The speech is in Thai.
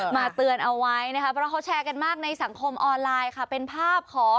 แบบนี้นะอ่า